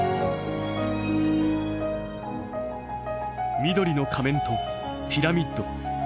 緑の仮面とピラミッド。